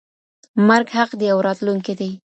مرګ حق دی او راتلونکی دی.